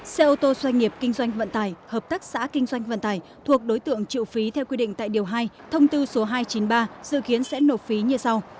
xe ô tô doanh nghiệp kinh doanh vận tải hợp tác xã kinh doanh vận tải thuộc đối tượng triệu phí theo quy định tại điều hai thông tư số hai trăm chín mươi ba dự kiến sẽ nộp phí như sau